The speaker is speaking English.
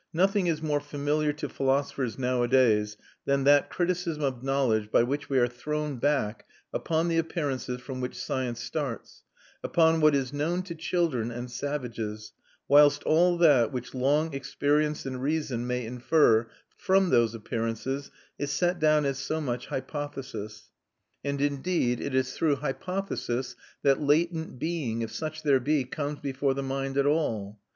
Nothing is more familiar to philosophers nowadays than that criticism of knowledge by which we are thrown back upon the appearances from which science starts, upon what is known to children and savages, whilst all that which long experience and reason may infer from those appearances is set down as so much hypothesis; and indeed it is through hypothesis that latent being, if such there be, comes before the mind at all.